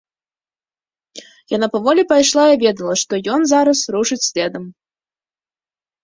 Яна паволі пайшла і ведала, што ён зараз рушыць следам.